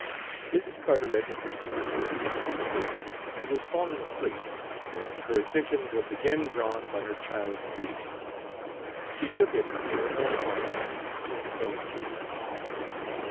Mrs. Carteret had reached this comfortable conclusion, and was falling asleep, when her attention was again drawn by her child's breathing. She took it in her own arms and soon fell asleep.